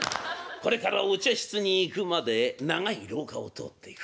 これからお茶室に行くまで長い廊下を通っていく。